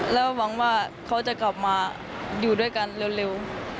แล้วหวังว่าเขาจะกลับมาอยู่ด้วยกันเร็ว